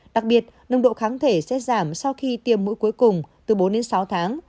đặc biệt nông độ kháng thể sẽ giảm sau khi tiêm mũi cuối cùng từ bốn đến sáu tháng